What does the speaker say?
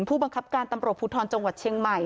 ผู้บังคับการตำรวจภูทรจังหวัดเชียงใหม่